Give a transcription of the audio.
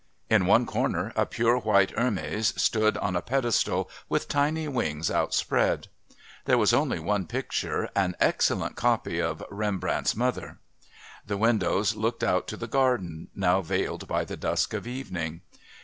In one corner a pure white Hermes stood on a pedestal with tiny wings outspread. There was only one picture, an excellent copy of "Rembrandt's mother." The windows looked out to the garden, now veiled by the dusk of evening.